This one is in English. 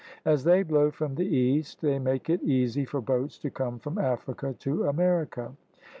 As they blow from the east, they make it easy for boats to come from Africa to America.